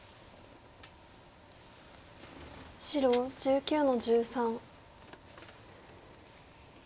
白１９の十三。